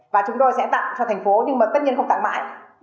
và chúng tôi sẽ tặng cho thành phố nhưng mà tất nhiên không tặng mãi